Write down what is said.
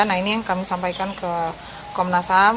nah ini yang kami sampaikan ke komnasam